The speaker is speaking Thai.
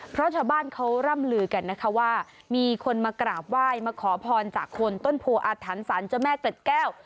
เพราะชาวบ้านเขาร่ำลือกันนะคะว่ามีคนมากราบไหว้มาขอพรจากคนต้นโพออาถรรพ์สารเจ้าแม่เกล็ดแก้ว